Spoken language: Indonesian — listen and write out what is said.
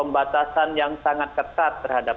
pembatasan yang sangat ketat terhadap